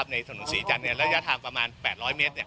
ในถนนศรีจันทร์ระยะทางประมาณ๘๐๐เมตร